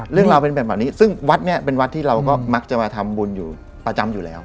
เรื่องราวเป็นแบบนี้ซึ่งวัดนี้เป็นวัดที่เราก็มักจะมาทำบุญอยู่ประจำอยู่แล้ว